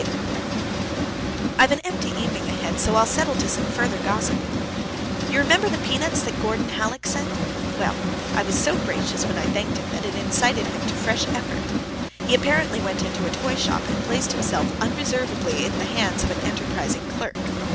LATER. I've an empty evening ahead, so I'll settle to some further gossip with you. You remember the peanuts that Gordon Hallock sent? Well, I was so gracious when I thanked him that it incited him to fresh effort. He apparently went into a toy shop, and placed himself unreservedly in the hands of an enterprising clerk.